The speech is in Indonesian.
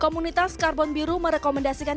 komunitas karbon biru merekomendasikan